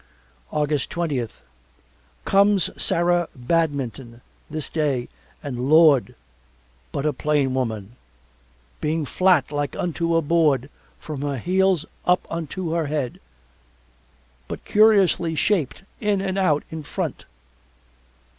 August twentieth Comes Sarah Badminton this day and Lord but a plain woman, being flat like unto a board from her heels up unto her head, but curiously shaped in and out in front.